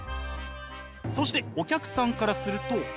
そしてお客さんからすると。